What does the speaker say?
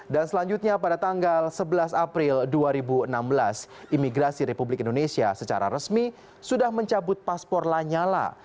dan selanjutnya pada tanggal sebelas april dua ribu enam belas imigrasi republik indonesia secara resmi sudah mencabut paspor lanyala